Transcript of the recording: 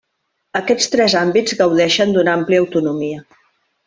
Aquests tres àmbits gaudeixen d'una àmplia autonomia.